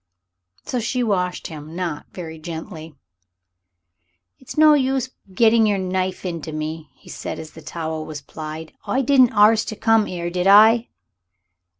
So she washed him, not very gently. "It's no use your getting your knife into me," he said as the towel was plied. "I didn't arst to come 'ere, did I?"